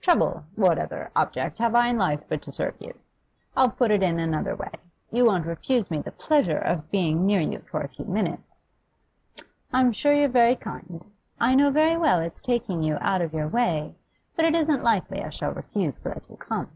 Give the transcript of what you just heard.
'Trouble? What other object have I in life but to serve you? I'll put it in another way: you won't refuse me the pleasure of being near you for a few minutes?' 'I'm sure you're very kind. I know very well it's taking you out of your way, but it isn't likely I shall refuse to let you come.